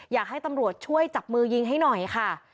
อยากให้ตำรวจช่วยจับมือยิงให้หน่อยค่ะ